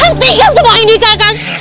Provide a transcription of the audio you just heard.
hentikan semua ini kang kang